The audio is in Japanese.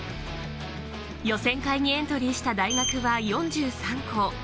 予選会にエントリーした大学は４３校。